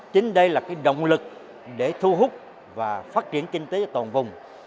chính đây là động lực để thu hút và phát triển kinh tế toàn vùng